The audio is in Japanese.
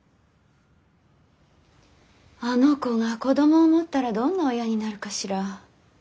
あの子が子供を持ったらどんな親になるかしら。